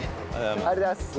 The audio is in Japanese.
ありがとうございます。